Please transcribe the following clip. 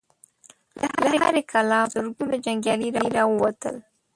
له هرې کلا په زرګونو جنګيالي را ووتل.